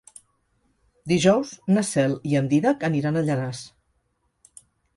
Dijous na Cel i en Dídac aniran a Llanars.